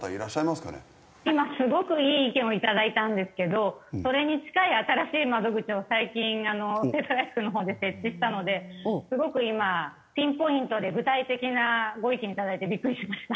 今すごくいい意見をいただいたんですけどそれに近い新しい窓口を最近世田谷区のほうで設置したのですごく今ピンポイントで具体的なご意見いただいてビックリしました。